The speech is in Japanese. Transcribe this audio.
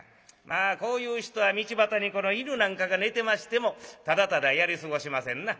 まあこういう人は道端に犬なんかが寝てましてもただただやり過ごしませんな。